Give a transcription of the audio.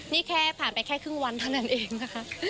นี่แค่ผ่านไปแค่ครึ่งวันเท่านั้นเองนะคะ